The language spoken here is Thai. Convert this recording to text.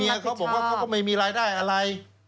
เขาบอกว่าเขาก็ไม่มีรายได้อะไร